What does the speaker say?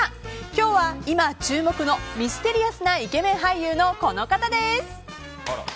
今日は今、注目のミステリアスなイケメン俳優のこの方です。